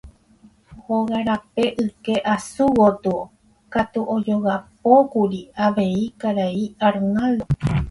Hóga rape yke asu gotyo katu ojogapókuri avei karai Arnaldo.